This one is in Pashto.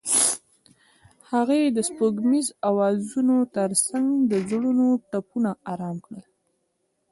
هغې د سپوږمیز اوازونو ترڅنګ د زړونو ټپونه آرام کړل.